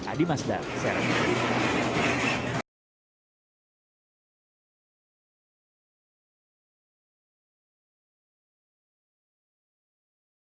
adi masdar serangkota